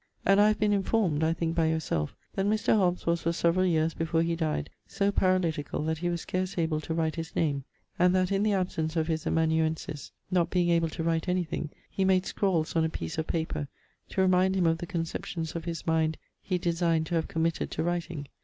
And I have been informed, I think by your self, that Mr. Hobbs wase for severall yeares before he died soe paralyticall that he wase scarce able to write his name, and that in the absence of his amanuensis not being able to write anything he made scrawls on a piece of paper to remind him of the conceptions of his mind he design'd to have committed to writing.